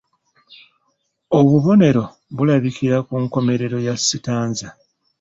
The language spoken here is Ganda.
Obubonero bulabikira ku nkomerero ya sitanza